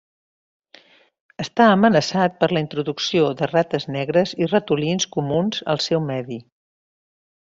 Està amenaçat per la introducció de rates negres i ratolins comuns al seu medi.